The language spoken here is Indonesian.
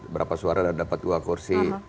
berapa suara dan dapat dua kursi